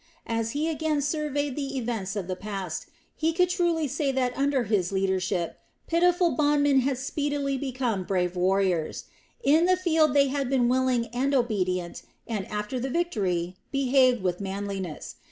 As he again surveyed the events of the past, he could truly say that under his leadership pitiful bondmen had speedily become brave warriors In the field they had been willing and obedient and, after the victory, behaved with manliness.